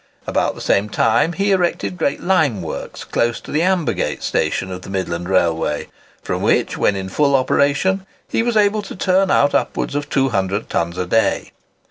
About the same time he erected great lime works, close to the Ambergate station of the Midland Railway, from which, when in full operation he was able to turn out upwards of 200 tons a day.